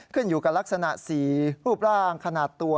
ขึ้นอยู่กับลักษณะ๔รูปร่างขนาดตัว